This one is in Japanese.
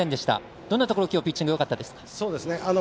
どんなところ、きょうピッチングよかったですか？